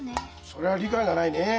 それは理解がないねえ。